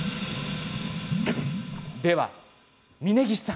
では、峯岸さん